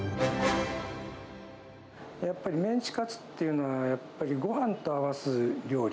やっぱりメンチカツっていうのは、やっぱりごはんと合わす料理。